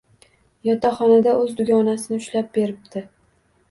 Yotoqxonada o`z dugonasini ushlab beribdi